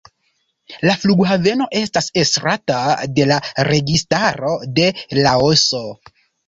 La flughaveno estas estrata de la registaro de Laoso.